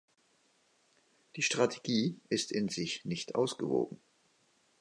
Die Strategie ist in sich nicht ausgewogen.